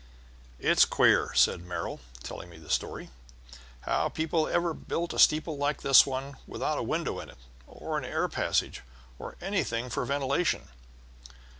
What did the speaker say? "It's queer," said Merrill, telling me the story, "how people ever built a steeple like this one without a window in it, or an air passage, or anything for ventilation.